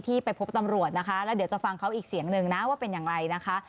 ไปพบตำรวจนะคะแล้วเดี๋ยวจะฟังเขาอีกเสียงหนึ่งนะว่าเป็นอย่างไรนะคะ